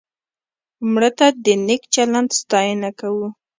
مړه ته د نیک چلند ستاینه کوو